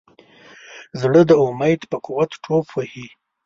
زړه د امید په قوت ټوپ وهي.